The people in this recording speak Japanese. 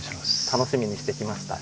楽しみにしてきました。